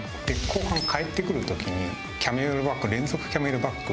後半帰ってくる時にキャメルバック連続キャメルバック